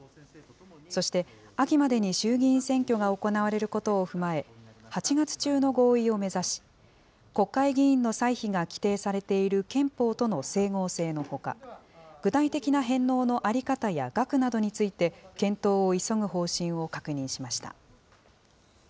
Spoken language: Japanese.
そして、秋までに衆議院選挙が行われることを踏まえ、８月中の合意を目指し、国会議員の歳費が規定されている憲法との整合性のほか、具体的な返納の在り方や額などについて、検討を急ぐ方針を確認しました。